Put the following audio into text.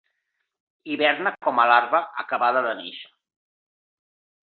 Hiberna com a larva acabada de néixer.